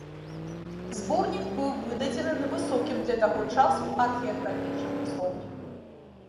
Зборнік быў выдадзены на высокім для таго часу археаграфічным узроўні.